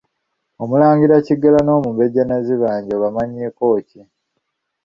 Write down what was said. Omulangira Kiggala n'omumbejja Nazibanja obamanyiiko ki?